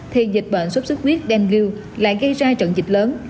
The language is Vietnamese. thì dịch bệnh sốt sốt huyết đen lưu lại gây ra trận dịch lớn